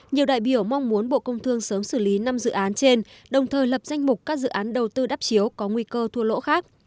nhiều đại biểu mong muốn bộ công thương sớm xử lý năm dự án trên đồng thời lập danh mục các dự án đầu tư đắp chiếu có nguy cơ thua lỗ khác